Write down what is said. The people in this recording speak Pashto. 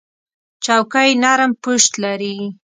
چوکۍ نرم پُشت لري.